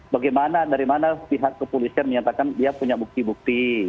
bagaimana dari mana pihak kepolisian menyatakan dia punya bukti bukti